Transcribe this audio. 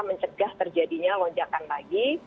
mencegah terjadinya lonjakan lagi